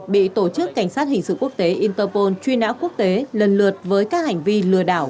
bị tổ chức cảnh sát hình sự quốc tế interpol truy nã quốc tế lần lượt với các hành vi lừa đảo